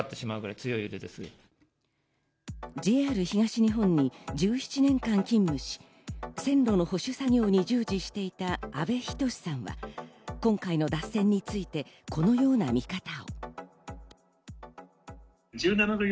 ＪＲ東日本に１７年間勤務し、線路の保守作業に従事していた阿部等さんは今回の脱線についてこのような見方。